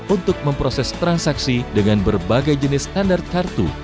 untuk memproses transaksi dengan berbagai jenis under kartu